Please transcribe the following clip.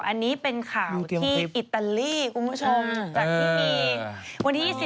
อันนี้เป็นข่าวที่อิตาลีคุณผู้ชมจากที่มีวันที่๒๐